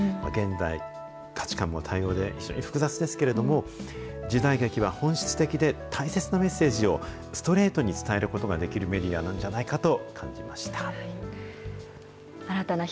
現在、価値観も多様ですし、複雑ですけれども、時代劇は本質的で大切なメッセージをストレートに伝えることができるメディアなんじゃないかと感じました。